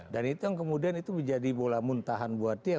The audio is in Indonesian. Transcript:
dan itu yang kemudian itu menjadi bola muntahan buat dia